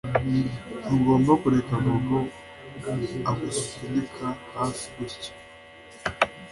Ntugomba kureka Bobo agusunika hafi gutya